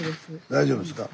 大丈夫ですか？